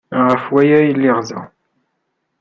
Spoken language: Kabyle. Ɣef waya ay lliɣ da.